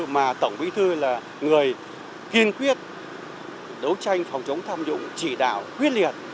mà tổng bí thư là người kiên quyết đấu tranh phòng chống tham nhũng chỉ đạo quyết liệt